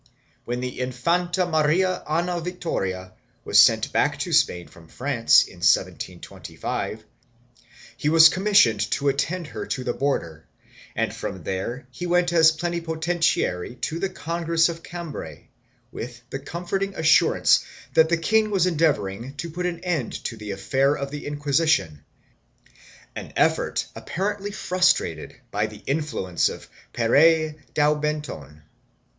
When the Infanta Maria Ana Vitoria was sent back to Spain from France, in 1725, he was commissioned to attend her to the border and from there he went as plenipotentiary to the Congress of Cambray, with the comforting assurance that the king was endeavoring to put an end to the affair of the Inquisition — an effort apparently frus trated by the influence of Pere Daubenton.